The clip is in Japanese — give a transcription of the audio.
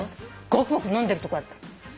ゴクゴク飲んでるとこだった。